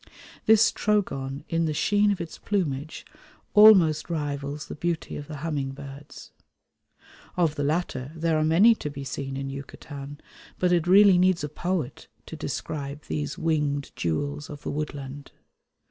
This Trogon in the sheen of its plumage almost rivals the beauty of the humming birds. Of the latter there are many to be seen in Yucatan, but it really needs a poet to describe these winged jewels of the woodland.